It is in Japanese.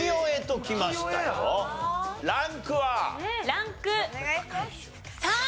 ランク３。